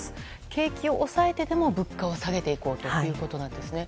景気を抑えてでも物価を下げていこうということなんですね。